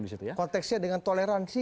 di situ ya konteksnya dengan toleransi